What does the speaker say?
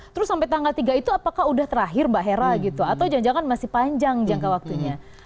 terus sampai tanggal tiga itu apakah udah terakhir mbak hera gitu atau jangan jangan masih panjang jangka waktunya